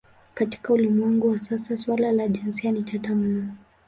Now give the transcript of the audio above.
Katika ulimwengu wa sasa suala la jinsia ni tata mno.